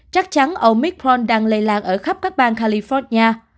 chắc chắn omicron đang lây lan ở khắp các bang california